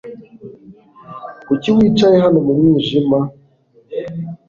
Kuki wicaye hano mu mwijima